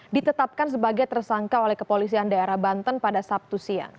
ditetapkan sebagai tersangka oleh kepolisian daerah banten pada sabtu siang